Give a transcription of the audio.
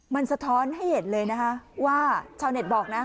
มันสะท้อนให้เห็นเลยนะคะว่าชาวเน็ตบอกนะ